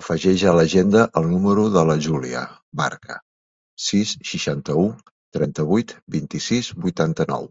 Afegeix a l'agenda el número de la Júlia Barca: sis, seixanta-u, trenta-vuit, vint-i-sis, vuitanta-nou.